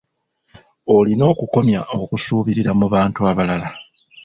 Olina okukomya okusuubirira mu bantu abalala.